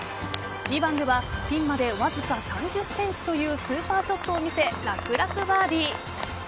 ２番ではピンまでわずか３０ｃｍというスーパーショットを見せ楽々バーディー。